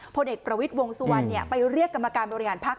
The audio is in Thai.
ผลเอกประวิทย์วงสุวรรณไปเรียกกรรมการบริหารพักษ